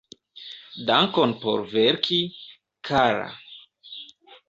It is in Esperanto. Dankon por verki, kara!